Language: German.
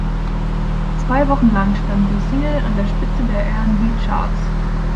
Zwei Wochen lang stand die Single an der Spitze der R&B-Charts.